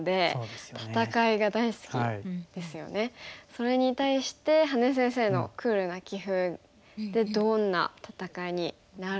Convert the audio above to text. それに対して羽根先生のクールな棋風でどんな戦いになるのか。